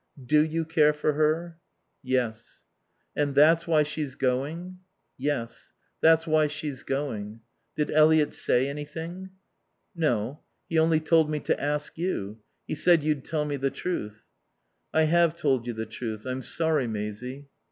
Do you care for her?" "Yes." "And that's why she's going?" "Yes. That's why she's going. Did Eliot say anything?" "No. He only told me to ask you. He said you'd tell me the truth." "I have told you the truth. I'm sorry, Maisie."